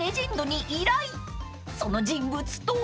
［その人物とは］